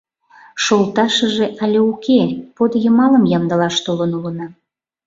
— Шолташыже але уке, под йымалым ямдылаш толын улына...